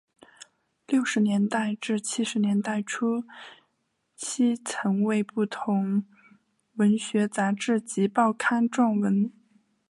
六十年代至七十年代初期曾为不同文学杂志及报刊撰文。